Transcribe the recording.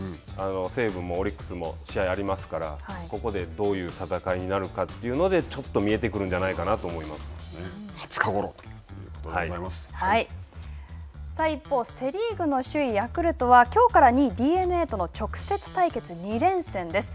西武もオリックスも試合がありますから、ここでどういう戦いになるかというので、ちょっと見えて２０日ごろということでござい一方、セ・リーグの首位ヤクルトはきょうから２位ＤｅＮＡとの直接対決２連戦です。